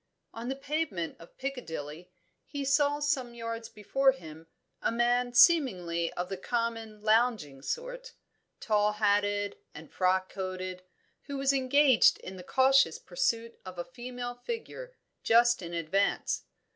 On the pavement of Piccadilly he saw some yards before him, a man seemingly of the common lounging sort, tall hatted and frock coated, who was engaged in the cautious pursuit of a female figure, just in advance.